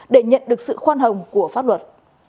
để nhận được sự khoan hồng của pháp luật